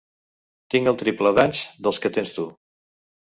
Tinc el triple d'anys dels que tens tu.